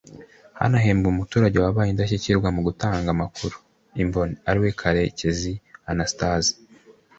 Hanahembwe umuturage wabaye indashyikirwa mu gutangaza amakuru (Imboni) ariwe Karekezi Athanase